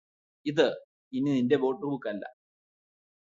ഇത് ഇനി നിന്റെ നോട്ട്ബുക്കല്ല